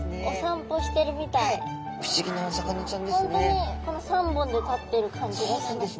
本当にこの３本で立ってる感じがしますね。